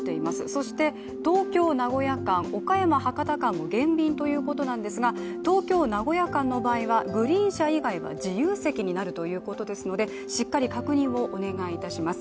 そして、東京−名古屋間、岡山−博多間も減便ということなんですが東京−名古屋間の場合はグリーン車以外は自由席になるということですのでしっかり確認をお願いいたします。